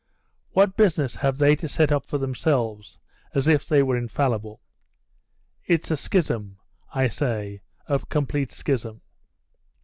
What business have they to set up for themselves, as if they were infallible? It's a schism, I say a complete schism.